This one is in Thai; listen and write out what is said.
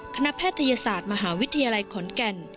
แพทยศาสตร์มหาวิทยาลัยขอนแก่น